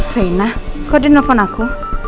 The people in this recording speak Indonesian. rena kok dia nelfon aku